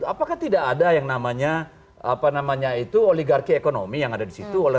apakah tidak ada yang namanya itu oligarki ekonomi yang ada di situ